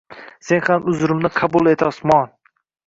Sen ham uzrimni qabul et osmon!